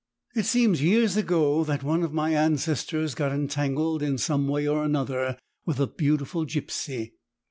"It seems years ago that one of my ancestors got entangled in some way or another with a beautiful gipsy.